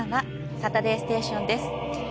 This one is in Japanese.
「サタデーステーション」です。